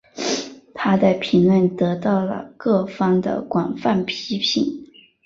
她的评论得到了各方的广泛批评。